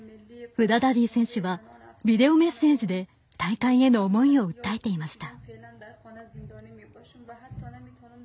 フダダディ選手はビデオメッセージで大会への思いを訴えていました。